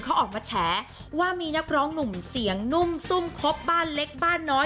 เขาออกมาแฉว่ามีนักร้องหนุ่มเสียงนุ่มซุ่มครบบ้านเล็กบ้านน้อย